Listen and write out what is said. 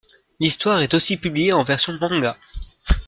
L'histoire est aussi publiée en version manga.